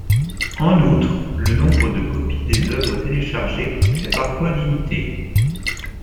En outre, le nombre de copies des œuvres téléchargées est parfois limitée.